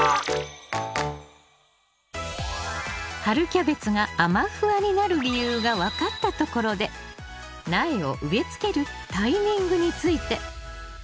春キャベツがあま・フワになる理由が分かったところで苗を植え付けるタイミングについて。